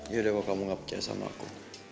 yaudah kok kamu gak percaya sama aku